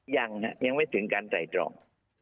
ยังนะยังไม่ถึงการไต่ตรอง